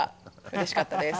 うれしかったです。